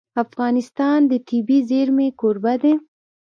افغانستان د طبیعي زیرمې کوربه دی.